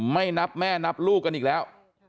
ไม่นับแม่นับลูกกันอีกแล้ว